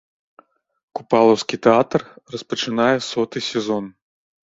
Купалаўскі тэатр распачынае соты сезон.